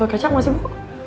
bodo kacau masih bu